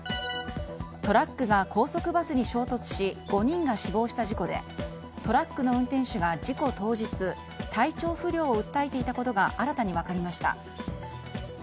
トラックが高速バスに衝突し５人が死亡した事故でトラックの運転手が事故当日体調不良を訴えていたことが新たに分かりました。